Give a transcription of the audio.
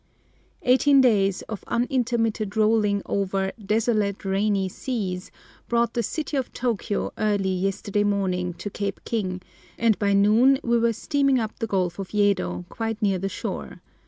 EIGHTEEN days of unintermitted rolling over "desolate rainy seas" brought the "City of Tokio" early yesterday morning to Cape King, and by noon we were steaming up the Gulf of Yedo, quite near the shore.